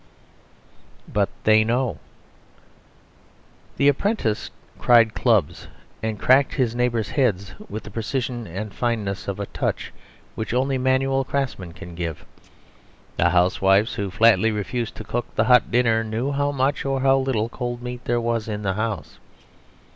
But They Know The apprentice cried "Clubs?" and cracked his neighbours' heads with the precision and fineness of touch which only manual craftsmanship can give. The housewives who flatly refused to cook the hot dinner knew how much or how little, cold meat there was in the house.